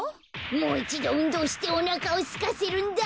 もういちどうんどうしておなかをすかせるんだ。